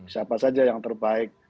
siapa saja yang terbaik